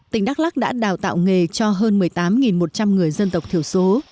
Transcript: tỉnh đắk lắc đã đào tạo nghề cho hơn một mươi tám một trăm linh người dân tộc thiểu số